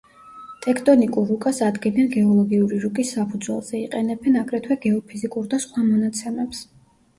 ტექტონიკურ რუკას ადგენენ გეოლოგიური რუკის საფუძველზე, იყენებენ აგრეთვე გეოფიზიკურ და სხვა მონაცემებს.